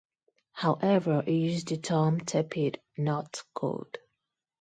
However he used the term "tepid" not "cold".